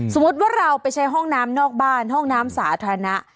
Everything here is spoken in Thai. สมมุติว่าเราไปใช้ห้องน้ำนอกบ้านห้องน้ำสาธารณะ